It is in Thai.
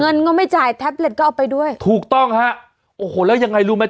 เงินก็ไม่จ่ายแท็บเล็ตก็เอาไปด้วยถูกต้องฮะโอ้โหแล้วยังไงรู้ไหม